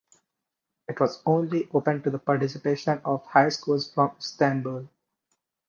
It was only open to the participation of high schools from Istanbul.